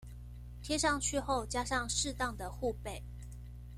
貼上去後加上適當的護貝